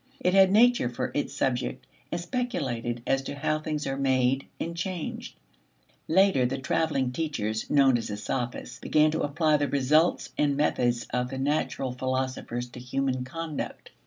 It had nature for its subject, and speculated as to how things are made and changed. Later the traveling teachers, known as the Sophists, began to apply the results and the methods of the natural philosophers to human conduct.